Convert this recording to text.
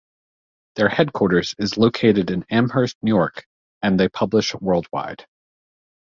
Their headquarters is located in Amherst, New York, and they publish worldwide.